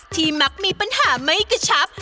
มักมีปัญหาไม่กระชับ